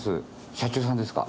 社長さんですか？